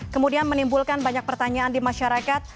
kemudian menimbulkan banyak pertanyaan di masyarakat